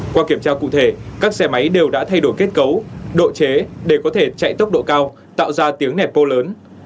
qua kiểm tra cụ thể các xe máy đều đã thay đổi kết cấu độ chế để có thể chạy tốc độ cao tạo ra tiếng nẹp pô lớn